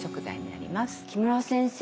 木村先生